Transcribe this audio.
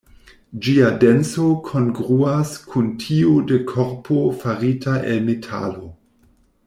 Ĝia denso kongruas kun tiu de korpo farita el metalo.